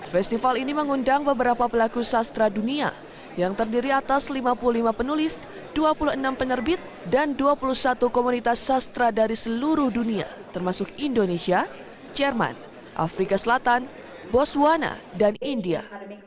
festival ini mengundang beberapa pelaku sastra dunia yang terdiri atas lima puluh lima penulis dua puluh enam penerbit dan dua puluh satu komunitas sastra dari seluruh dunia termasuk indonesia jerman afrika selatan boswana dan india